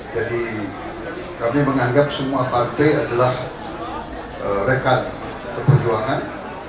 jadi kami menganggap semua partai adalah rekan perjuangan